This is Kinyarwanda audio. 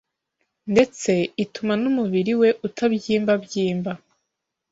ndetse ituma n’umubiri we utabyimbabyimba